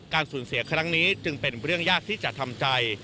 สูญเสียครั้งนี้จึงเป็นเรื่องยากที่จะทำใจ